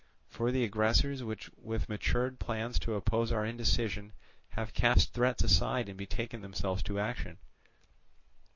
For the aggressors with matured plans to oppose to our indecision have cast threats aside and betaken themselves to action.